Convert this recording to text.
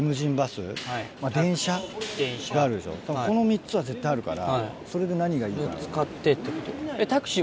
この３つは絶対あるからそれで何がいいか。